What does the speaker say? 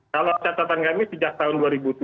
kalau catatan kami sejak tahun dua ribu tujuh